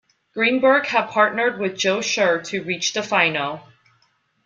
Greenberg had partnered with Joe Scherr to reach the final.